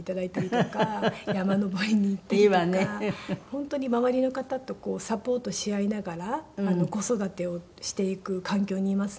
本当に周りの方とサポートし合いながら子育てをしていく環境にいますね。